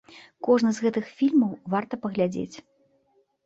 Кожны з гэтых фільмаў варта паглядзець.